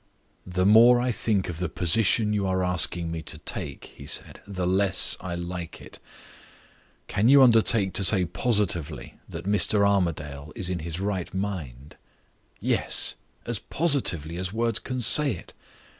"The more I think of the position you are asking me to take," he said, "the less I like it. Can you undertake to say positively that Mr. Armadale is in his right mind?" "Yes; as positively as words can say it."